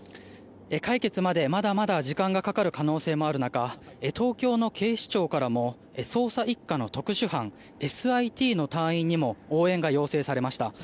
解決までまだまだ時間がかかる可能性もある中東京の警視庁からも捜査１課の特殊班ＳＩＴの隊員にも応援が要請されました。